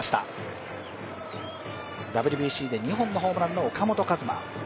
ＷＢＣで２本のホームランの岡本和真。